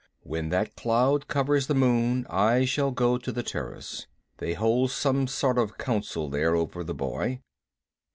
When that cloud covers the moon I shall go to the terrace. They hold some sort of council there over the boy."